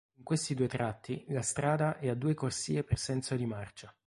In questi due tratti la strada è a due corsie per senso di marcia.